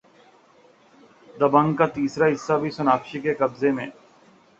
دبنگ کا تیسرا حصہ بھی سوناکشی کے قبضے میں